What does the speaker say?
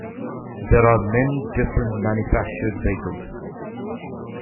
There are many different manufactured vehicles.